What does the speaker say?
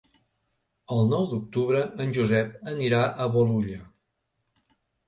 El nou d'octubre en Josep anirà a Bolulla.